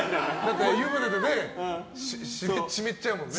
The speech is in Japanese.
湯船で湿っちゃうもんね。